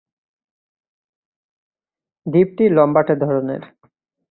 দ্বীপটি লম্বাটে ধরনের।